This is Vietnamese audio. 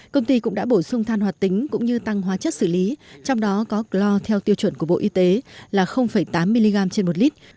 công ty cũng đã bổ sung than hoạt tính cũng như tăng hóa chất xử lý trong đó có clor theo tiêu chuẩn của bộ y tế là tám mg trên một lít